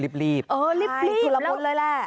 รีบสุรปนเลยแหละ